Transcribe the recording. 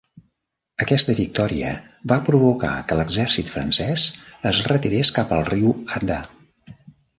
Aquesta victòria va provocar que l"exèrcit francès es retirés cap al riu Adda.